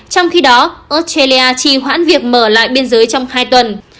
trong khi đó australia chỉ hoãn việc mở lại biên giới trong hai tuần